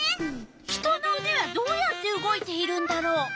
人のうではどうやって動いているんだろう？